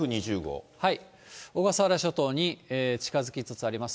小笠原諸島に近づきつつあります。